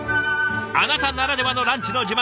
あなたならではのランチの自慢